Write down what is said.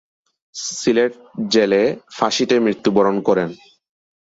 সিলেট জেলে ফাঁসিতে মৃত্যুবরণ করেন।